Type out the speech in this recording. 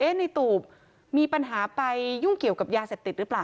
ในตูบมีปัญหาไปยุ่งเกี่ยวกับยาเสพติดหรือเปล่า